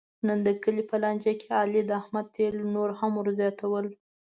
نن د کلي په لانجه کې علي د احمد تېل نور هم ور زیاتول.